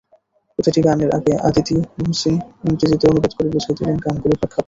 প্রতিটি গানের আগে অদিতি মহসিন ইংরেজিতে অনুবাদ করে বুঝিয়ে দিলেন গানগুলোর প্রেক্ষাপট।